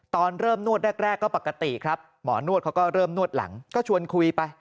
ตอนเริ่มนวดแรกก็ปกติครับหมอนวดเขาก็เริ่มนวดหลังก็ชวนคุยไป